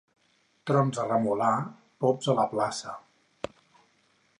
Trons a Remolar, pops a la plaça.